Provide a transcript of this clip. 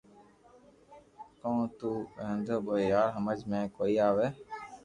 ڪو تو ووندو ٻيئي يار ھمج مي ڪوئي آوي